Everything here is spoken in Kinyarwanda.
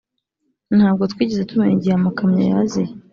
Ntabwo twigeze tumenya igihe amakamyo yaziye